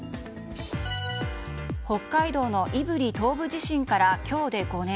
北海道の胆振東部地震から今日で５年。